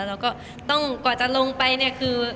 แล้วก็ต้องกว่าจะลงไปเนี่ยคือ